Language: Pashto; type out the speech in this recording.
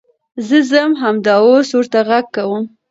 زه ځم همدا اوس ورته غږ کوم .